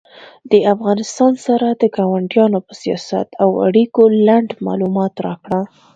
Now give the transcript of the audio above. د افغانستان سره د کاونډیانو په سیاست او اړیکو لنډ معلومات راکړه